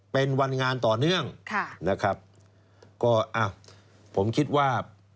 เป็นวันงานต่อเนื่องค่ะนะครับก็อ้าวผมคิดว่า